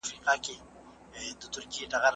زه ځواب نه ليکم،،